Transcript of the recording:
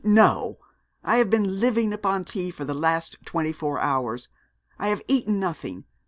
no. I have been living upon tea for the last twenty four hours. I have eaten nothing.